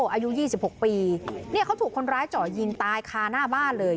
อายุ๒๖ปีเนี่ยเขาถูกคนร้ายเจาะยิงตายคาหน้าบ้านเลย